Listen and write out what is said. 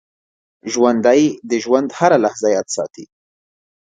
ژوندي د ژوند هره لحظه یاد ساتي